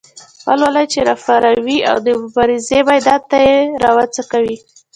ولولې یې راوپاروي او د مبارزې میدان ته یې راوڅکوي.